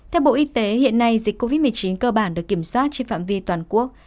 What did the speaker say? theo bộ y tế hiện nay dịch covid một mươi chín cơ bản được kiểm soát trên phạm vi toàn quốc